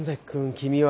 君は。